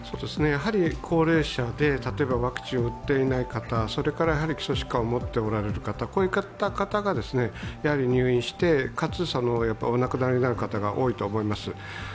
やはり高齢者で例えばワクチンを打っていない方、それからやはり基礎疾患を持っておられる方、こういった方々がやはり入院して、かつお亡くなりになる方が多いと思います。